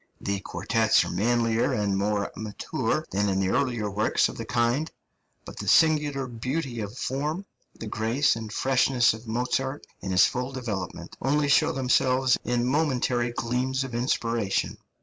The quartets are manlier and more mature than in the earlier works of the kind; but the singular beauty of form, the grace and freshness of Mozart in his full development, only show themselves in momentary gleams of inspiration.